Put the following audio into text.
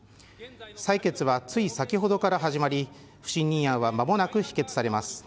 採決は、つい先ほどから始まり不信任案はまもなく否決されます。